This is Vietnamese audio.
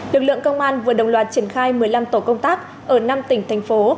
lực lượng công an vừa đồng loạt triển khai một mươi năm tổ công tác ở năm tỉnh thành phố